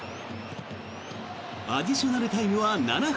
アディショナルタイムは７分。